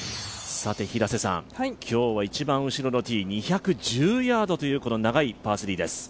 平瀬さん、今日は１番後ろのティー２１０ヤードというパー３です。